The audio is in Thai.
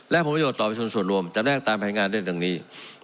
และพมโยชน์ต่อไปส่วนรวมจำแรกตามแผนงานเรียนตรงนี้